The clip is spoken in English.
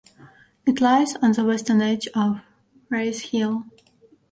It lies on the western edge of Rays Hill.